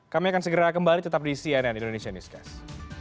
kami akan segera kembali tetap di cnn indonesia newscast